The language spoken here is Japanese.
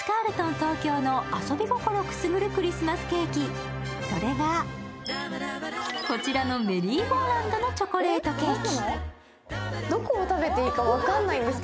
東京の遊び心くすぐるクリスマスケーキ、それがこちらのメリーゴーランドのチョコレートケーキ。